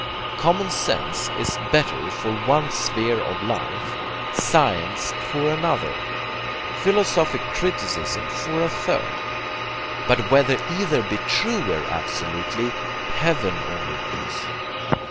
Common sense is BETTER for one sphere of life, science for another, philosophic criticism for a third; but whether either be TRUER absolutely, Heaven only knows.